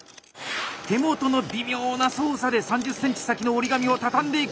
手元の微妙な操作で３０センチ先の折り紙を畳んでいく。